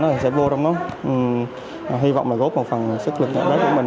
nó sẽ vô trong đó hy vọng là góp một phần sức lực của mình